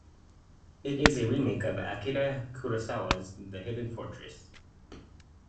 It is a remake of Akira Kurosawa's "The Hidden Fortress".